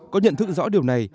có nhận thức rõ điều này